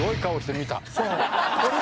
見た？